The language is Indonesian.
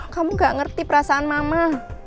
kamu gak ngerti perasaan mama